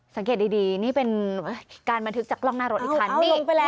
สังเกตดีนี่เป็นการบันทึกจากกล้องหน้ารถอีกคัน